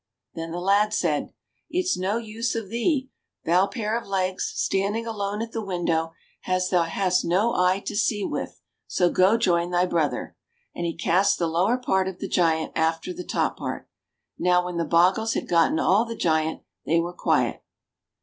Then the lad said, ''It's no use of thee, thou pair of legs, standing alone at the window, as thou hast no eye to see with, so go join thy brother;" and he cast the lower part of the giant after the top part. Now when the bogles had gotten all the giant they were quiet.